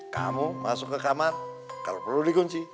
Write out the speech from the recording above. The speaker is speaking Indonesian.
kamu masuk ke kamar kalau perlu dikunci